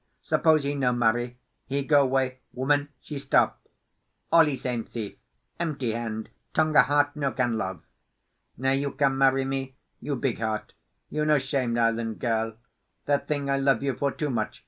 Suppose he no marry, he go 'way, woman he stop. All e same thief, empty hand, Tonga heart—no can love! Now you come marry me. You big heart—you no 'shamed island girl. That thing I love you for too much.